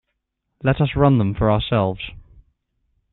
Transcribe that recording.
Let us run them for ourselves.